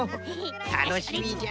たのしみじゃ。